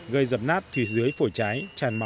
gây dập nát thủy dưới